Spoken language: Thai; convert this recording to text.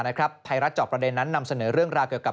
ไทยรัฐจอบประเด็นนั้นนำเสนอเรื่องราวเกี่ยวกับ